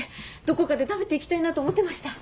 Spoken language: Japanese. どこかで食べて行きたいなと思ってました。